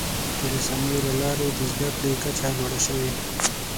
د رسنیو له لارې د زدهکړې کچه لوړه شوې.